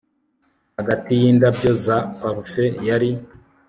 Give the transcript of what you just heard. Hagati yindabyo za parufe yari